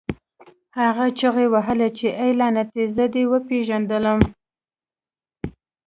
هغه چیغې وهلې چې اې لعنتي زه دې وپېژندلم